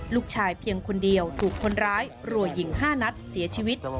ลูกชายเพียงคนเดียวถูกคนร้ายหล่วยหญิง๕นัดเสียชีวิต